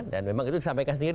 dan memang itu disampaikan sendiri